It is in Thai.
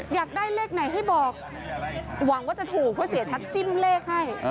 อยากได้เลขไหนให้บอกหวังว่าจะถูกเพราะเสียชัดจิ้มเลขให้